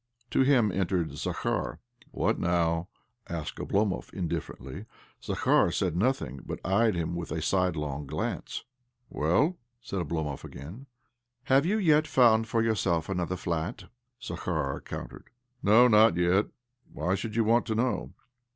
To him entered Zakhar. "What now?" asked Oblomov indiffer ently. Zakhar said nothing, but eyed him with a sidelong glance. "Well?" said Oblomov again. " Have you yet found for yourself another flat?" Zakhar countered. "No, not yet. Why should you want to know?"